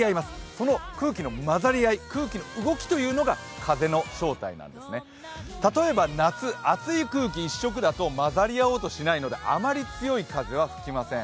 その空気の混ざり合い、空気の動きというのが風の正体なんですね、例えば夏、熱い空気一色だと混ざり合おうとしないのであまり強い風は吹きません。